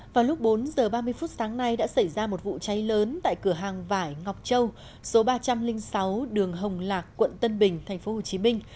vào lúc bốn giờ ba mươi phút sáng nay đã xảy ra một vụ cháy lớn tại cửa hàng vải ngọc châu số ba trăm linh sáu đường hồng lạc quận tân bình tp hcm